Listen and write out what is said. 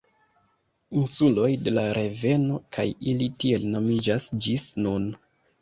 Insuloj de la reveno kaj ili tiel nomiĝas ĝis nun.